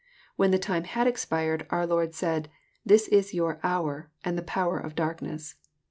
When the time had expired, our Lord said, <'This is your hour, and the power of darkness."